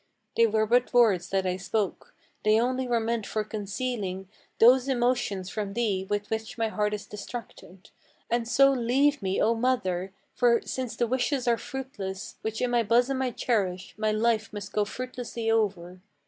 They were but words that I spoke: they only were meant for concealing Those emotions from thee with which my heart is distracted; And so leave me, O mother! for, since the wishes are fruitless Which in my bosom I cherish, my life must go fruitlessly over.